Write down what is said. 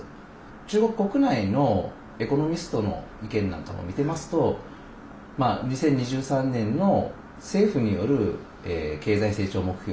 中国国内のエコノミストの意見なんかを見てますと２０２３年の政府による経済成長目標